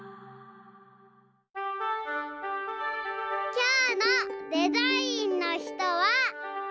きょうのデザインの人は。